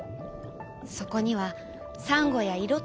そこにはサンゴやいろ